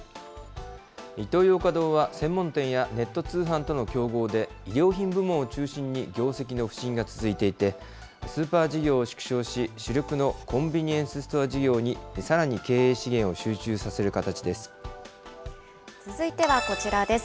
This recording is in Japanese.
イトーヨーカ堂は専門店やネット通販との競合で、衣料品部門を中心に業績の不振が続いていて、スーパー事業を縮小し、主力のコンビニエンスストア事業にさらに経営資源を集中させる形続いてはこちらです。